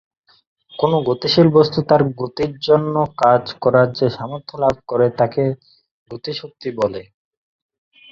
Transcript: কোন গতিশীল বস্তু তার গতির জন্য কাজ করার যে সামর্থ্য লাভ করে, তাকে গতি শক্তি বলে।